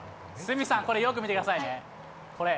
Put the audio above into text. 鷲見さん、これよく見てくださいね、これ。